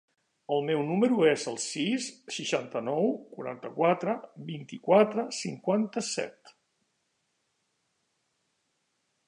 El meu número es el sis, seixanta-nou, quaranta-quatre, vint-i-quatre, cinquanta-set.